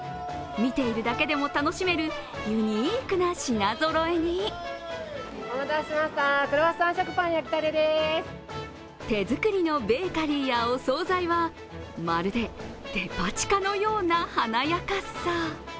見ているだけでも楽しめるユニークな品ぞろえに手作りのベーカリーやお総菜は、まるでデパ地下のような華やかさ。